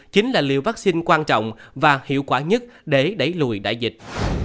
chính là liều vaccine quan trọng và hiệu quả nhất để đẩy lùi đại dịch